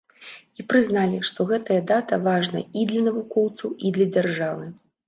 І прызналі, што гэтая дата важная і для навукоўца, і для дзяржавы.